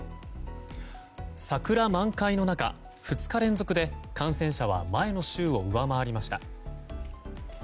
桜満開の中、２日連続で感染者は前の週を上回りました。